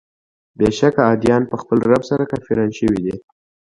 بېشکه عادیان په خپل رب سره کافران شوي دي.